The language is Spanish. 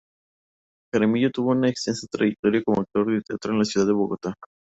Jaramillo tuvo una extensa trayectoria como actor de teatro en la ciudad de Bogotá.